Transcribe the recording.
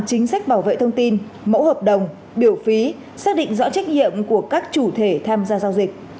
chính sách bảo vệ thông tin mẫu hợp đồng biểu phí xác định rõ trách nhiệm của các chủ thể tham gia giao dịch